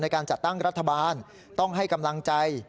การจัดตั้งรัฐบาลต้องให้กำลังใจ